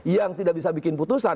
yang tidak bisa bikin putusan